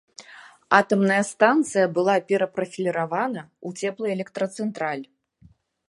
Атамная станцыя была перапрафіліравана ў цеплаэлектрацэнтраль.